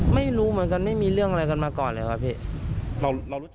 ไม่รู้เหมือนกันไม่มีเรื่องอะไรกันมาก่อนเลยครับพี่